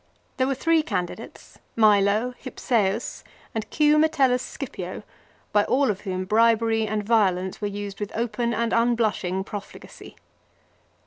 There were three candidates, Milo, Hypsseus, and Q. Metellus Scipio, by all of whom bribery and violence were used with open and un blushing profligacy.